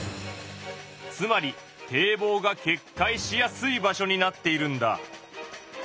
つまり堤防がけっかいしやすい場所になっているんだ。